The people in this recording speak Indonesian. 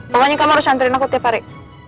pokoknya kamu harus santri aku tiap hari